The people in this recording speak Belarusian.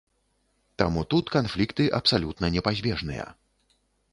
Таму тут канфлікты абсалютна непазбежныя.